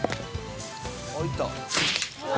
あっいった。